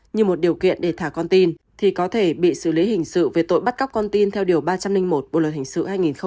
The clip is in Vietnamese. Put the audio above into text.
như một điều kiện để thả con tin thì có thể bị xử lý hình sự về tội bắt cóc con tin theo điều ba trăm linh một bộ luật hình sự hai nghìn một mươi năm